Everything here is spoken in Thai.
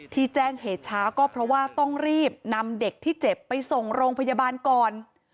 แจ้งเหตุช้าก็เพราะว่าต้องรีบนำเด็กที่เจ็บไปส่งโรงพยาบาลก่อน